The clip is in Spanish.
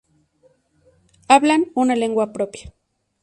Hablaban una lengua propia.